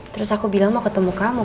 terus aku bilang mau ketemu kamu